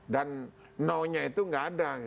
dan no nya itu gak ada